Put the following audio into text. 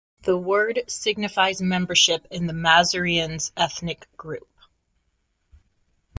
The word signifies membership in the Masurians ethnic group.